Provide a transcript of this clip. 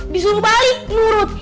disuruh balik nurut